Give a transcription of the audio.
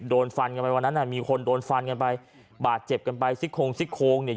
โดนฟันกันไปวันนั้นอ่ะมีคนโดนฟันกันไปบาดเจ็บกันไปซิกโครงซิกโค้งเนี่ย